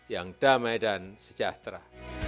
yang damai dan sejahtera